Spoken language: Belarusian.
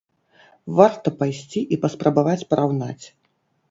Варта пайсці і паспрабаваць параўнаць.